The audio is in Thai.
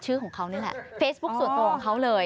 ชื่อของเขานี่แหละเฟซบุ๊คส่วนตัวของเขาเลย